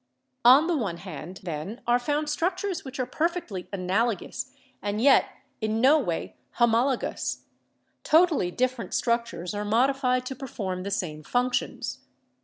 (LeConte.) On the one hand, then, are found structures which are perfectly analogous and yet in no way homologous : totally different structures are modified to perform the same functions.